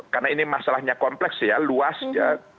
karena ini masalahnya kompleks ya luas ya